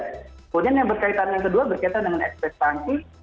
kemudian yang berkaitan yang kedua berkaitan dengan expectancy